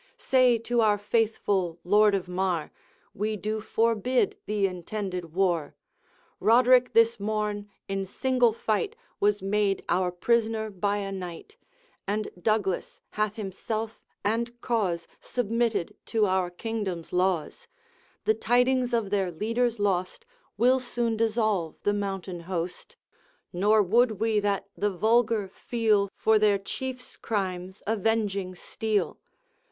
Say to our faithful Lord of Mar, We do forbid the intended war; Roderick this morn in single fight Was made our prisoner by a knight, And Douglas hath himself and cause Submitted to our kingdom's laws. The tidings of their leaders lost Will soon dissolve the mountain host, Nor would we that the vulgar feel, For their Chief's crimes, avenging steel.